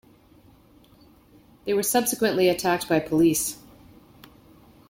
They were subsequently attacked by police.